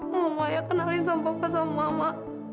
mau maya kenalin sama papa sama mama